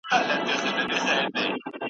ایا هلک له انا سره مینه لري؟